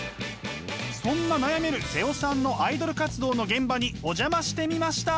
そんな悩める妹尾さんのアイドル活動の現場にお邪魔してみました！